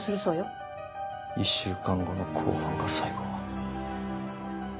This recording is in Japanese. １週間後の公判が最後。